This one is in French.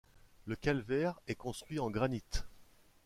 Le calvaire est construit en granit.